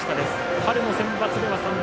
春のセンバツでは３番。